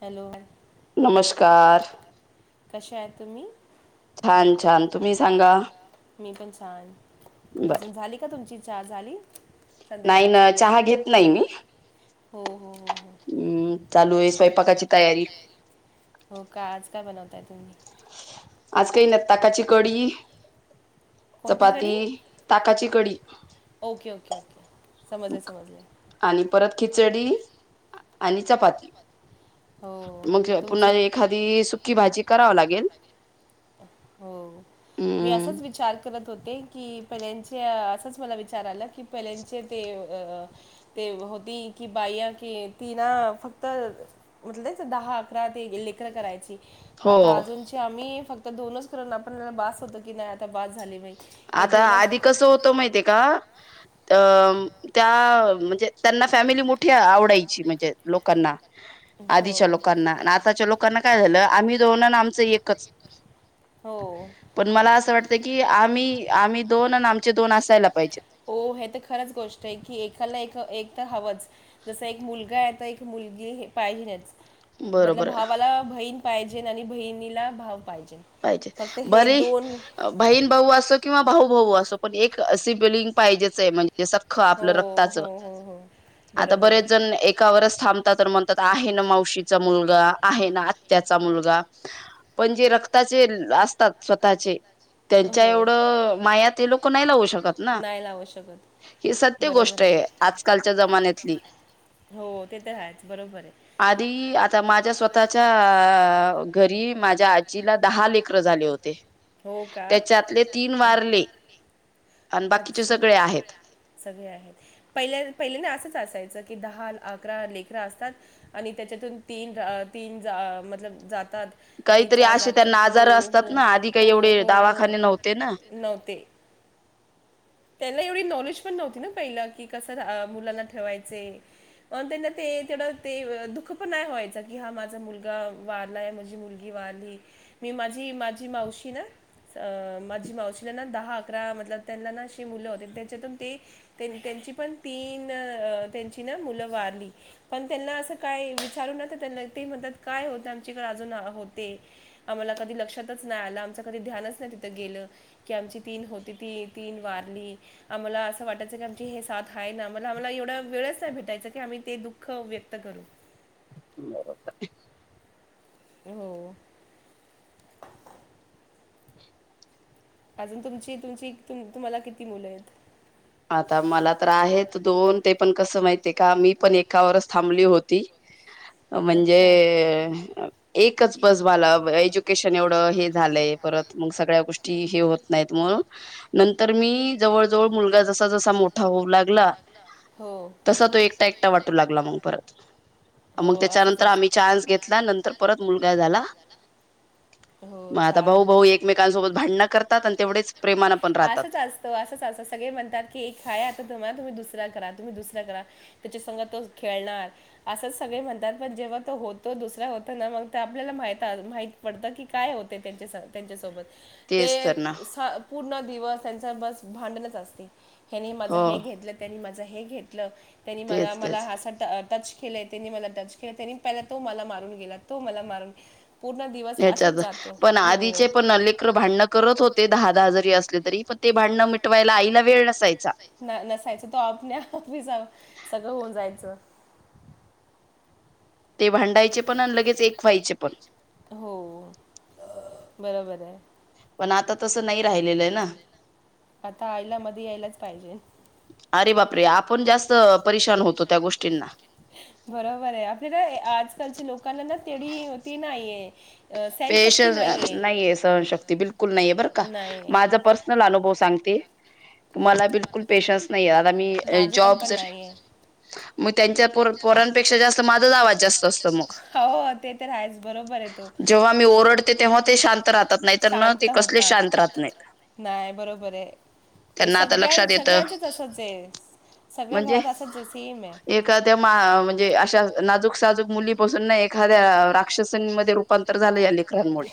Hello. नमस्कार. कशा आहेत तुम्ही? छान छान तुम्ही सांगा? मी पण छान अजून झाली का तुमची चहा झाली. नाही ना चहा घेत नाही मी. हो हो हो हो, ''हं'' चालू आहे स्वयंपाकाची तयारी. हो का, आज काय बनवताय तुम्ही? आज काही नाही ताकाची कडी चपाती. ताकाची कडी. आणि परत खिचडी आणि चपाती. मग पुन्हा एखादी सुकी भाजी कराव लागेल. हो, मी असंच विचार. करत होते की, पहिल्याचे असंच मला विचार आला की, पहिल्याचे ते अ, ते होती की, बाईया कि, तीन फक्त. उठलेच दहा अकरा ते लेकरं करायची. आता अजूनची आम्ही फक्त दोनच करून आपणला बस होतो की, नाही आता बास झाली बाई. आता आधी कसं होत, माहितीय का अ त्या म्हणजे. त्यांना फॅमिली मोठी आवडायची म्हणजे लोकांना. आधीच्या लोकांना आताच्या लोकांना काय झालं आम्ही दोन आणि आमचं एकच. हो, पण मला असं वाटतं की, आम्ही आम्ही दोन आणि आमचे दोन असायला पाहिजेत. हे तर खरंच गोष्ट आहेच की, एकाला एक एक तर हवंच जस एक मुलगा आहे. तर एक मुलगी हे पाहिजेच. मतलब भावाला बहीण पाहिजे आणि बहिणीला भाऊ पाहिजे. पाहिजे बरे. बहीण भाऊ असो किंवा भाऊ भाऊ असो पण एक सिबलिंग पाहिजेच आहे म्हणजे सक्. सख्ख आपल्या रक्ताच आता बरेच जण एक. एकावरच थांबत तर म्हणतात आहे. ना मावशीचा मुलगा आहे ना आत्याचा मुलगा. पण जे रक्ताचे असतात स्वतःचे. त्यांच्या एवढं माया ते लोक नाही लावू शकत ना. नाही लावू शकत. ही सत्य गोष्ट आहे. आजकालच्या जमान्यातली. हो ते तर आहेच बरोबर आहे. आधी आता माझ्या स्वतःच्या आ घरी माझ्या. जीला दहा लेकर झाले होते. हो का, अच्छा सगळे आहेत. पहिल्या पहिल्यांदा असंच असायचं की, दहा अकरा लेकरा असतात. आणि त्याच्यातून तीन तीन जा मतलब जातात. आणि चार जातात हो हो हो हो हो, नव्हते. त्यांना एवढी नॉलेज पण नव्हती ना पहिलं की कसं मुलांना ठेवायचे. त्यांना ते तेवढं ते दुःख पण नाही व्हायच की, हा माझा मुलगा वारलाय माझी मुलगी. वारली मी माझी माझी मावशी ना. अ माझी मावशीला ना दहा अकरा मतलब त्यांना ना अशी मुलं होती त्याच्यातून ते. त्यां त्यांची पण तीन अ त्यांची ना मुलं वारली. पण त्यांना असं काय विचारू न तर त्यांना ते मदत काय होते आमच्याकडे अजून होते. आम्हाला कधी लक्षातच नाही आलं आमचं कधी ध्यानच नाही तिथं गेलं की आमची तीन होती, ती तीन वारली. आम्हाला असं वाटायचं की आमची हे साथ आहे ना आम्हाला आम्हाला एवढा वेळच नाही भेटायचं की आम्ही ते दुःख व्यक्त करू बरोबर हो अजून तुमची तुमची तुम्हाला किती मुलं आहेत? आता मला तर आहेत दोन ते पण कसं माहिती आहे का मी पण एकावरच थांबली होती. म्हणजे एकच बस मला एज्यु. एज्युकेशन एवढ हे झालंय परत म सगळ्या गोष्टी हे होत नाही म. नंतर मी जवळ जवळ मुलगाच जसा मोठा होऊ लागला तसा तो एकटा एकटा वाटू लागला मग परत. मग त्याच्यानंतर आम्ही चान्स घेतला, नंतर परत मुलगा झाला. मग आता भाऊ भाऊ एकमेकांसोबत भांडणं करतात आणि तेवढेच प्रेमानं पण राहतात. हो, असंच असं सगळे म्हणतात की खाया आता तुम्ही दुसरा करा, तुम्ही दुसरा करा. त्याच्या संग तो खेळणार. असं सगळे म्हणतात पण जेव्हा तो होतो दुसरा होत ना मग ते आपल्याला माह माहित पडतं की, काय होते त्यांच्या त्यांच्यासोबत, ते पूर्ण दिवस त्यांच बस भांडणच असते ह्यानी माझं हे घेतलं. त्यानी माझ हे घेतलं त्यांनी मला मला हा टच केले, त्यांनी मला टच केलय तो मला मारून गेला तो मला मार, पूर्ण दिवस बस असं जात पण आधीचे पण लेकर भांडणं करत होते दहा दहा जरी असले तरी पण ते भांडणं मीट तेव्हा आईला वेळ नसायचा. न नसायचं तो आपणे, आप सगळं होऊन जायचं ते भांडायचे पण आणि लगेच एक व्हायचे पण. हो बरोबर आहे पण आता तसं नाही राहिलेलं आहे ना. आता आई ला मध्ये यायलाच पाहिजे. अरे बापरे आपण जास्त परेशान होतो त्या गोष्टींना. बरोबर आहे आपल्याला आजकालच्या लोकांना ना तेवढी ती नाहीये. अ सहनशक्ती नाहीये. सहनशक्ती बिलकुल नाहीये बरं का माझा पर्सनल अनुभव सांगते. तुम्हाला बिलकुल पेशन्स नाहीे, आता मी जॉब जर मग त्यांच्या पोरं पोरांपेक्षा जास्त माझाचा आवाज जास्त असत मग. हो ते तर आहेस बरोबर आहे तो जेव्हा मी ओरडते तेव्हा ते शांत राहतात नाही तर ना ते कसले शांत राहत नाहीत. नाही बरोबर आहे हे सगळ्यां सगळ्यांच तसच आहे. म्हणजे एखाद्या मा म्हणजे अशा नाजूक साजूक मुली बसून ना एखाद्या राक्षसमध्ये रूपांतर झालं या लेकरांमुळे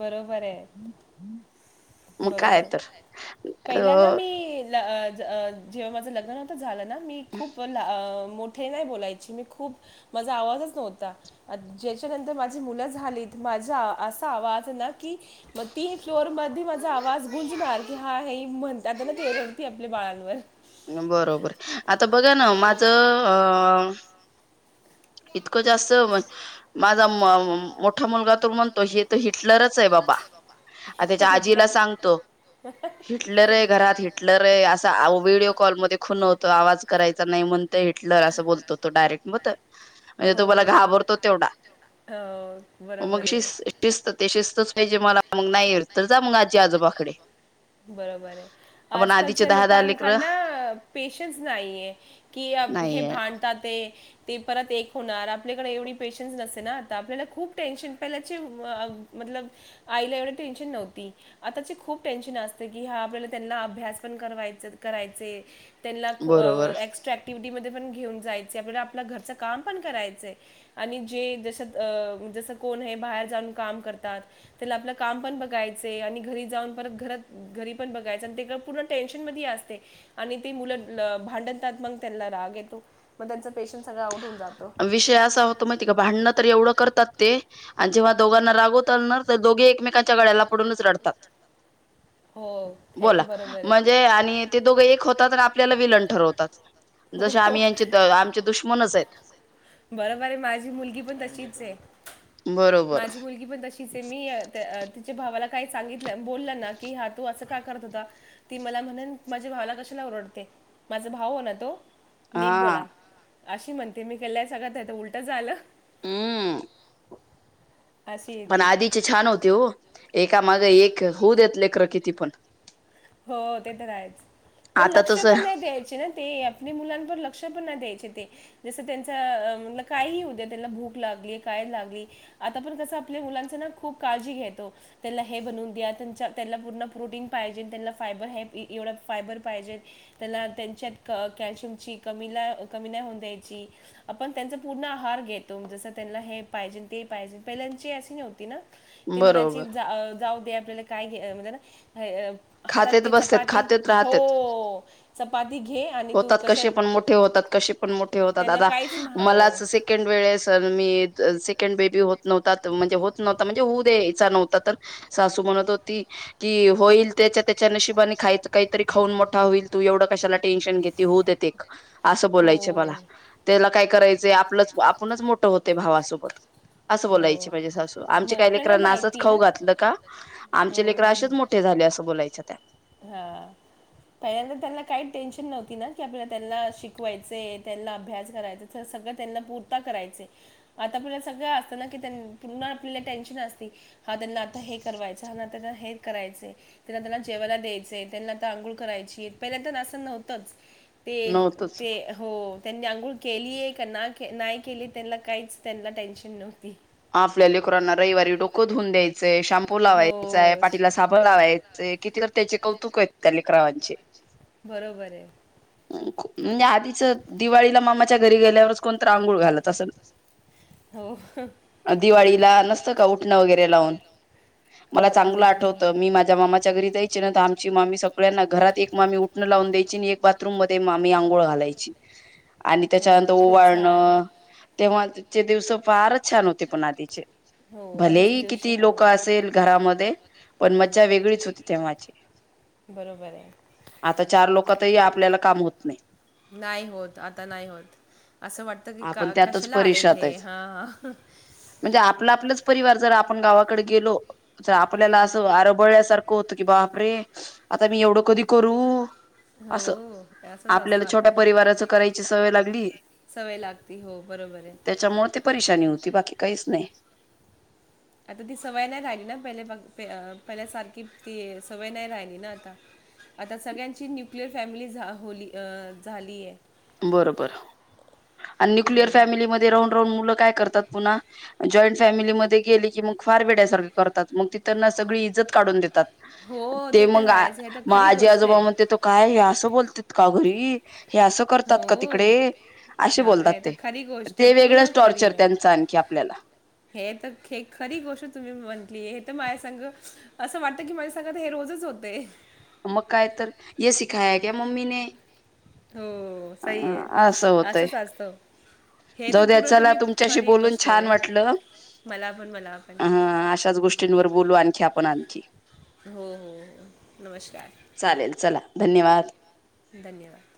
बरोबर आहे बरोबर पहिल्या ना मी लाज अ जेव्हा माझं लग्न नव्हतं झालं ना मी खूप ला मोठे नाही बोलायची मी खूप. माझा आवाजच नव्हता ज्याच्यानंतर माझी मुलं झालीत माझ्या असं जास्त आवाज ना की म ती चोर मध्ये माझा आवाज गुंजणार, की हा हे म्हणतात ना ते वरती आपल्या बाळांवर. बरोबर, आता बघा ना माझं अ अअ इतकं जास्त म माझा मअम मोठ्ठा मुलगा म्हणतो ही तर हिटलरच आहे बाबा. आ त्याच्या आजीला सांगतो हिटलर ए घरात हिटलर ए असा आव व्हिडिओ कॉलमधे खुणवतो, आवाज करायचा नाही म्हणतं हिटलर असं बोलतो डायरेक्ट, मत म्हंजे तो मला घाबरतो तेवढा, ओ मग शिस् शिस्त ते शिस्तच पाहिजे मला, मंग नाई एलत जा म आजी आजोबाकडे. बरोबराय, आजकालच्या लोकांकडना पेशन्स नाहीये. कि हे भांडतात ते ते परत एक होणार, आपल्याकडे एवढी पेशन्स नसते ना, त आपल्याला खूप टेन्शन पहिल्याचे वअ मतलब आईला एवढं टेन्शन नव्हती आताची खूप टेन्शन असते की, हा आपल्याला त्यांना अभ्यास पण कवायचं करायचेय त्यांना खो एक्स्ट्रा ऍक्टिव्हटी मध्ये पण घेऊन जायचंय, मग आपलं घरचं काम पण करायचंय. आणि जे जसं अं जसं कोण हे बाहेर जाऊन काम करतात त्याला आपल्या काम पण बघायचे, आणि घरी जाऊन परत घरात घरी पण बघायचं, आणि तें पूर्ण टेन्शनमध्ये असते. आणि ते मुलं लअ भांडतात मग त्यांला राग येतो, मग त्याचा पेशन सगळा अप्पे विषय असा होत माहितीय का, भांडणं तर एवढं करतात ते आन जेव्हा दोघांना रागवतारना तर दोघे एकमेकांच्या गळ्याला पडूनच रडतात. होओ. बोला, म्हणजे आणि ते दोघं एक होतात आणि आपल्याला विलन ठरवतात. जश्या आम्ही यांचे द आमचे दुश्मनच आहेत. बरोबर आहे, माझी मुलगी पण तशीचय. माझी मुलगी पण तशी तिचे मी, ते तिचे भावाला काही सांगितलं, बोलल ना की हा तू असं का करत होता ती ती मला म्हणन, माझ्या भावाला कशाला ओरडते? माझा भाऊए ना तो. नीट बोला, अशी म्हणते मी केलंय सगळं त आता उल्ट झालं. ह्ह हंअ. पण आधीचे छान होते हो, एकामागे एक होऊ देत लेकरं किती पण. हो ते तर आहेच पण लक्ष पण नाही द्यायची ना ते आपल्या मुलांवर लक्ष पण नाई द्यायचे ते जसं त्यांच अ काइही हुद्या त्यांना भूक लागली, काय लागली आता पण कसं आपल्या मुलांचं ना खूप काळजी घेतो त्यांन्ला हे बनून द्या, त्यांच्या त्त्यांला पूर्ण प्रोटीन पाहिजे त्यांना फायबर हेत, एवड्यात फायबर पाहिजेच त्याला त्यांच्यात कॅल्शियमची कमीला कमी नाही होऊन द्यायची आपण त्यांचा पूर्ण आहार घेतो जसं त्यांना हे पाहिजेन ते पाहिजेन, पहिल्यांची अशी नव्हती ना? ते म्हणायची जा जाऊ दे, आपल्याला काय घे म्हणता ना हाअ हातात ते चपाती, होओ चपाती घे, आणि तू कशा त्यांना काहीच हाव. वेळेसन मी सेकंड बेबी होत नव्हतात म्हणजे होत नव्हता म्हणजे होऊ द्यायचा नव्हता तर सासू म्हणत होती की, होईल त्याच्या त्याच्या नशिबाने, खायचं काहीतरी खाऊन मोठा होईल, तू एवढं कशाला टेन्शन घेते, होऊ देत असं बोलायच्या मला. त्याला काय करायचंय आपलंच आपणच मोठं होतंय भावासोबत. असं बोलायचे म्हणजे सासू आमच्या काही लेकरांना असच खाऊ घातलं का आमचे लेकर असेच मोठे- झाले असं बोलायचं त्या- हा. पहिल्या त्यांना काही टेन्शन नव्हती ना की आपल्याला त्यांना शिकवायचे त्यांना अभ्यास करायचा- सगळं त्यांना पूर्ता करायचें. आता आपल्याला सगळं असतं ना कि त्यां पूर्ण आपल्याला टेन्शन असते. हा त्यांना आता हे करायचं हा त्यांना ते करायच त्यांना- जेवायला द्यायचे त्यांनतर अंघोळ करायची पहिला तर असं नव्हतंच ते- हो त्यांनी अंघोळ केलीय का नाही नाही केली त्यांना काहीच त्यांना टेन्शन नव्हती. आपल्या सारख्यांना रविवारी डोकं धुऊन द्यायचय शम्पू लावायचाय पाठीला साब - बोलवायचे किती तर त्याचे कौतुक आहेत त्या लेकरवांचे. बरोबर आहे. म्हणजे आधीच दिवाळीला मामाच्या घरी गेल्यावरच कोणत आंघोळ घालत असेल- हो. दिवाळीला नसतं का उठणं वगैरे लावून मला चांगलं आठवतं मी माझ- मामाच्या घरी यायची ना तर आमची मामी सगळ्यांना घरात एक मामी उठणं लावून द्याची आणि एक - रूम मध्ये आधी आंघोळ घालायची आणि त्याच्यानंतर ओवाळण- तेव्हाचे दिवस फारच छान होते पण आधीचे. भलेही किती लोक असतील घरामध्ये पण मज्जा वेगळीच होती तेव्हाची. बरोबर आहे. आता चार लोक तरही आपल्याला काम होत नाही. नाही होत आता नाही होत असं वाटत की का कशाला आलेत हे ह - ह - म्हणजे आपला आपलाच परिवार जर आपण गावाकडे गेलो- तर आपल्याला असं आरबळल्यासारखं होतं की बापरे आता मी एवढं कधी करू- असं आपल्याला छोट्या परिवाराच करायची सवय लागली सवय लागती हो बरोबर आहे. परेशानी होती बाकी काहीच नाही. आता ती सवय नाही राहिली ना पहिले पहिल्या सारखी ती सवय नाही राहिली ना आता. आता सगळ्यांची न्युक्लिअर फॅमिली होली झालीय- बरोबर आणि न्युक्लिअर फॅमिलीमध्ये- काय करतात जॉईंट फॅमिलीमध्ये गेली की मग फार वेड्यासारखे करतात. मग ती त्यांना सगळी इज्जत काढून देतात ते मग मग आजी आजोबामध्ये- काय हे असं बोलत का घरी हे असं करतात का तिकडे- असे बोलतात ते वेगळंच टॉर्चर त्यांचा आणखी आपल्याला- हे तर खरी गोष्ट तुम्ही म्हंटलीय हे तर माझ्या संग - असं वाटतं की माझ्या सोबत हे रोजच होतेय. मग काय तर ये सिखाया क्या मम्मीने- हो सही है असंच असत. हे तर पुूरं तुम्ही खरी गोष्ट आहे मला पण मला पण- अ अशाच गोष्टींवर बोलू आणखी आपण आणखी- हो हो हो नमस्कार. चालेल चला धन्यवाद. धन्यवाद.